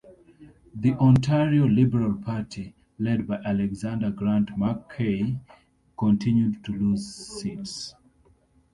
The Ontario Liberal Party, led by Alexander Grant MacKay, continued to lose seats.